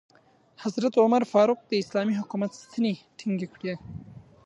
حضرت عمر فاروق د اسلامي حکومت ستنې ټینګې کړې.